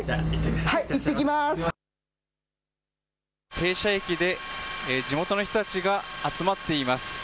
停車駅で地元の人たちが集まっています。